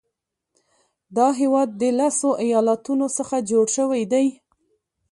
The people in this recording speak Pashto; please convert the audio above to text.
دا هیواد د لسو ایالاتونو څخه جوړ شوی دی.